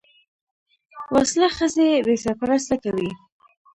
وسله ښځې بې سرپرسته کوي